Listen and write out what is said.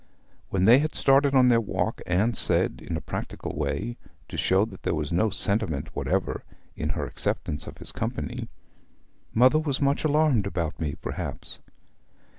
When they had started on their walk, Anne said in a practical way, to show that there was no sentiment whatever in her acceptance of his company, 'Mother was much alarmed about me, perhaps?'